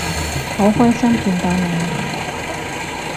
好開心見到你